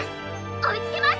おいつけます！」。